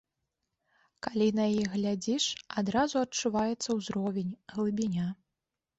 Калі на іх глядзіш, адразу адчуваецца ўзровень, глыбіня.